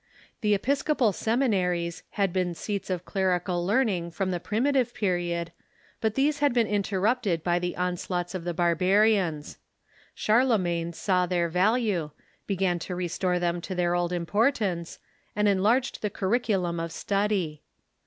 The episcopal seminaries had been scats of clerical learning from the primitive period, but these had been interrupted by the onslaughts of the barbarians. Charlemagne saw their value, began to restore them to their old importance, and enlarged the curriculum of study.